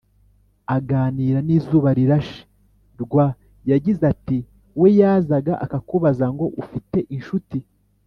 Aganira n’izubarirashe.rw, yagize ati “We yazaga akakubaza ngo ‘ufite inshuti